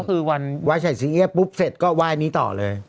คือวันไหว้ถ่ายสิ้งเงี้ยปุ๊บเสร็จก็ไหว้อันนี้ต่อเลย